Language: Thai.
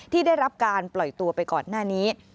ที่ได้รับการปล่อยตัวไปก่อนหน้านี้